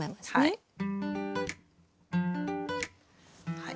はい。